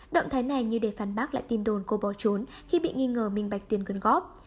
động thái này như để phán bác lại tin đồn cô bỏ trốn khi bị nghi ngờ minh bạch tiền quyên góp